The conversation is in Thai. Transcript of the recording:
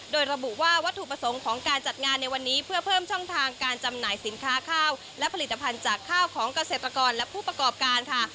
โดยระบุว่าวัตถุประสงค์ของการจัดงานในวันนี้เพื่อเพิ่มช่องทางการจำหน่ายสินค้าข้าวและผลิตภัณฑ์จากข้าวของเกษตรกรและผู้ประกอบการค่ะ